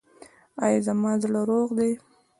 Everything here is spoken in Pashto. ایا زما زړه روغ دی؟